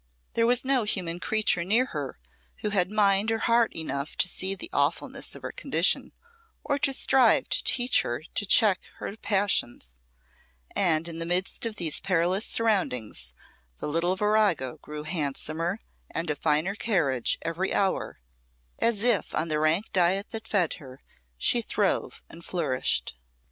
There was no human creature near her who had mind or heart enough to see the awfulness of her condition, or to strive to teach her to check her passions; and in the midst of these perilous surroundings the little virago grew handsomer and of finer carriage every hour, as if on the rank diet that fed her she throve and flourished.